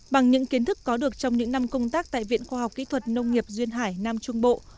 bằng những kiến thức có được trong những năm công tác tại viện khoa học kỹ thuật nông nghiệp duyên hải nam trung bộ